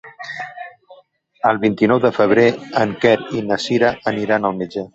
El vint-i-nou de febrer en Quer i na Cira aniran al metge.